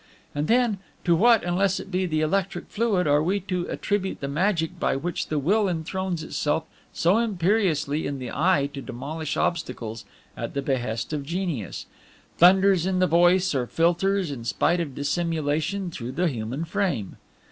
"And then, to what, unless it be to the electric fluid, are we to attribute the magic by which the Will enthrones itself so imperiously in the eye to demolish obstacles at the behest of genius, thunders in the voice, or filters, in spite of dissimulation, through the human frame?